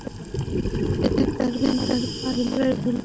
সেদিন তার পাঠ প্রায় ভুল হয়ে গেছে।